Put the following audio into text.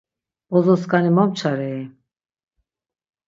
Bozoskani momçarei?